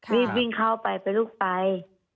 รีบวิ่งเข้าไปไปลุกไป